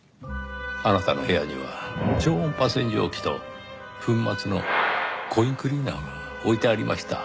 あなたの部屋には超音波洗浄機と粉末のコインクリーナーが置いてありました。